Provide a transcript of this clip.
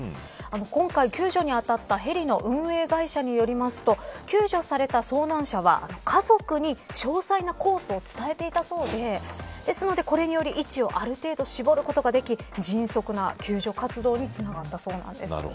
今回救助に当たったヘリの運営会社によりますと救助された遭難者は家族に詳細なコースを伝えていたそうでですので、これにより位置をある程度絞ることができ迅速な救助活動につながったそうなんです。